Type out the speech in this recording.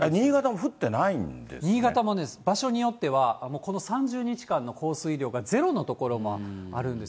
新潟もね、場所によってはこの３０日間の降水量がゼロの所もあるんです。